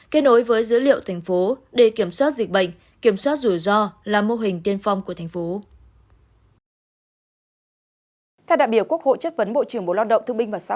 kết nối với dữ liệu thành phố để kiểm soát dịch bệnh kiểm soát rủi ro là mô hình tiên phong của thành phố